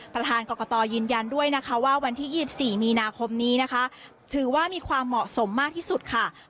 ประธานกรกฎอยินยันด้วยว่าวันที่๒๔มีนาคมนี้ถือว่ามีความเหมาะสมมากที่สุด